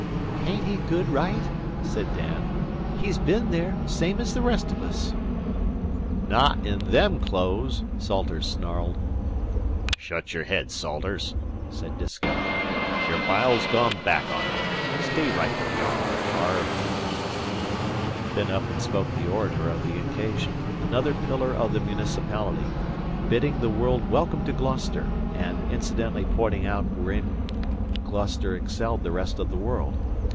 "Hain't he good right?" said Dan. "He's bin there, same as the rest of us." "Not in them clothes," Salters snarled. "Shut your head, Salters," said Disko. "Your bile's gone back on you. Stay right where ye are, Harve." Then up and spoke the orator of the occasion, another pillar of the municipality, bidding the world welcome to Gloucester, and incidentally pointing out wherein Gloucester excelled the rest of the world.